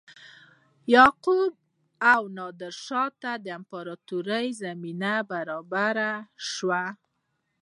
یعقوب او نادرشاه ته د امپراتوریو زمینه برابره شوه.